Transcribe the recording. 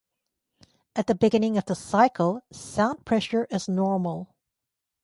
At the beginning of the cycle, sound pressure is normal.